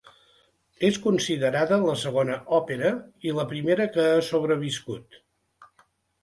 És considerada la segona òpera, i la primera que ha sobreviscut.